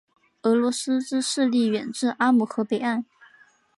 俄罗斯之势力远至阿姆河北岸。